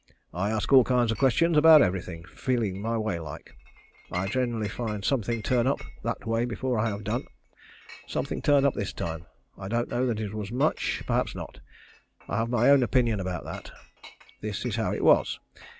I ask all kinds of questions about every thing, feeling my way like. I generally find something turn up that way before I have done. Something turned up this time. I don't know that it was much perhaps not. I have my own opinion about that. This is how it was.